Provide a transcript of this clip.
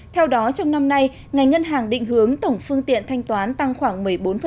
theo đó trong năm nay ngành ngân hàng định hướng tổng phương tiện thanh toán tăng khoảng một mươi bốn